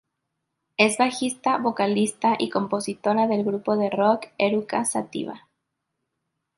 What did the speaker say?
Es bajista, vocalista y compositora del grupo de rock Eruca Sativa.